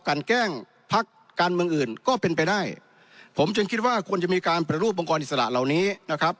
แกล้งพักการเมืองอื่นก็เป็นไปได้ผมจึงคิดว่าควรจะมีการปฏิรูปองค์กรอิสระเหล่านี้นะครับ